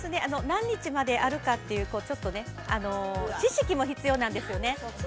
何日まであるかっていうちょっと知識も必要なんですよね。